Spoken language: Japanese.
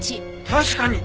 確かに！